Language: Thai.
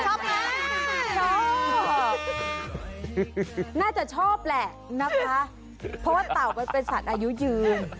ชอบน่าจะชอบแหละนะคะเพราะว่าเต่ามันเป็นสัตว์อายุยืน